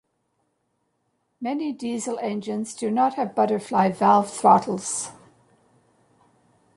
Many diesel engines do not have butterfly valve throttles.